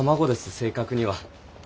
正確には。